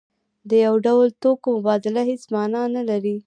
د یو ډول توکو مبادله هیڅ مانا نلري.